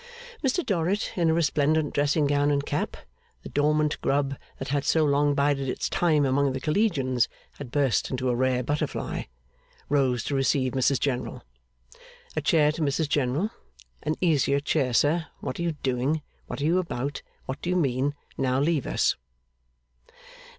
Mr Dorrit, in a resplendent dressing gown and cap the dormant grub that had so long bided its time among the Collegians had burst into a rare butterfly rose to receive Mrs General. A chair to Mrs General. An easier chair, sir; what are you doing, what are you about, what do you mean? Now, leave us!